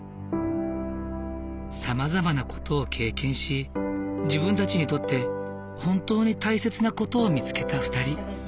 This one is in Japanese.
さまざまな事を経験し自分たちにとって本当に大切な事を見つけた２人。